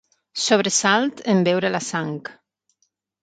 Sobresalt en veure la sang.